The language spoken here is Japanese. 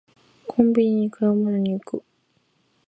コンビニに買い物に行く